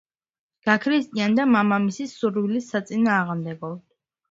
გაქრისტიანდა მამამისის სურვილის საწინააღმდეგოდ.